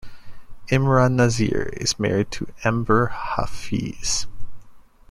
Imran Nazir is married to Amber Hafeez.